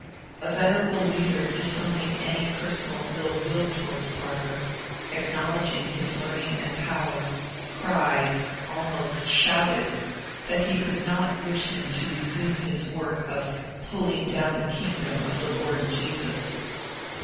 A venerable leader disowning any personal ill will towards Parker, acknowledging his learn ing and power, cried — almost shouted — that he could not wish him to resume his work of ^^ pulling down the kingdom of the Lord Jesus."